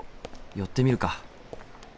寄ってみるか。